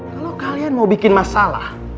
kalau kalian mau bikin masalah